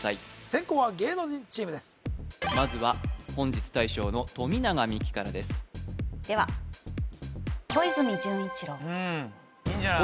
先攻は芸能人チームですまずは本日大将の富永美樹からですでは小泉純一郎うんいいんじゃない？